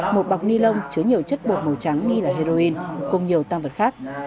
một bọc ni lông chứa nhiều chất bột màu trắng nghi là heroin cùng nhiều tăng vật khác